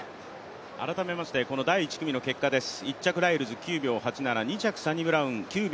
改めまして、第１組の結果です。